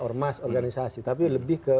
ormas organisasi tapi lebih ke